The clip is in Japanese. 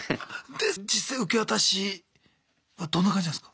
で実際受け渡しはどんな感じなんすか？